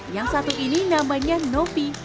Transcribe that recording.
yang satu ini namanya nopi